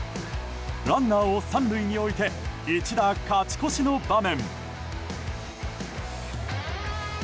ランナーを３塁に置いて一打勝ち越しの場面。